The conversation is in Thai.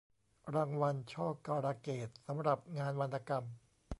รางวัลช่อการะเกดสำหรับงานวรรณกรรม